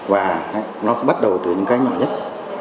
và nó bắt đầu từ những cái nhỏ nhất